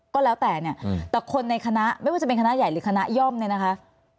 ก็แล้วแต่เนี่ยแต่คนในคณะไม่ว่าจะเป็นคณะใหญ่หรือคณะย่อมเนี่ยนะคะ